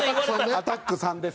「アタック３」です。